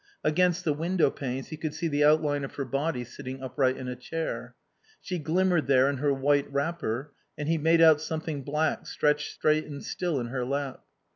Against the window panes he could see the outline of her body sitting upright in a chair. She glimmered there in her white wrapper and he made out something black stretched straight and still in her lap.